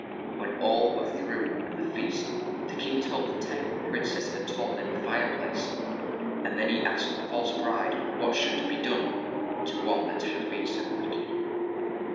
When all were through at the feast, the king told the tale the prin cess had told in the fire place, and then he asked the false bride what should be done to one that had been so wick ed.